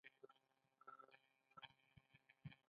آیا او خپل پرمختګ ته دوام نه ورکوي؟